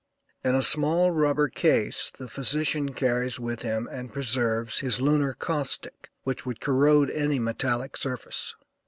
In a small rubber case the physician carries with him and preserves his lunar caustic, which would corrode any metallic surface.